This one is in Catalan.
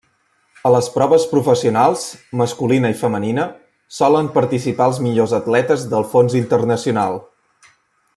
A les proves professionals, masculina i femenina, solen participar els millors atletes del fons internacional.